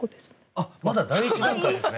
あまだ第１段階ですね。